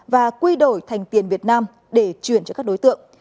và quy đổi thành tiền việt nam để chuyển cho các đối tượng